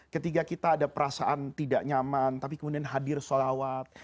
ketika kita ada perasaan tidak nyaman tapi kemudian hadir sholawat